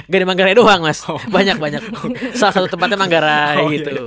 gede manggarai doang mas banyak banyak salah satu tempatnya manggarai gitu